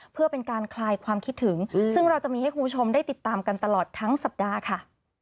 เพื่อเป็นการคลายความคิดถึงซึ่งเราจะมีให้คุณผู้ชมได้ติดตามกันตลอดทั้งสัปดาห์ค่ะ